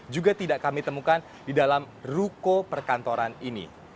juga tidak kami temukan di dalam ruko perkantoran ini